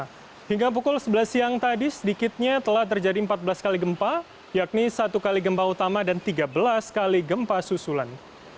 hingga pukul sebelas siang tadi sedikitnya telah terjadi empat belas kali gempa yakni satu kali gempa utama dan tiga belas kali gempa susulan